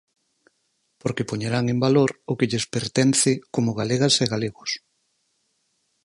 Porque poñerán en valor o que lles pertence como galegas e galegos.